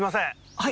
はい？